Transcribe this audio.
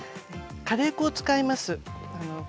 カレー粉を使います